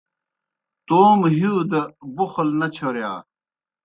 توموْ ہِیؤ دہ بُغل نہ چھورِیا۔